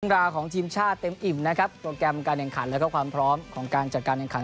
ราวของทีมชาติเต็มอิ่มนะครับโปรแกรมการแข่งขันแล้วก็ความพร้อมของการจัดการแข่งขัน